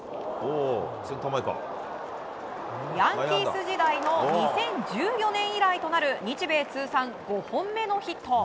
ヤンキース時代の２０１４年以来となる日米通算５本目のヒット！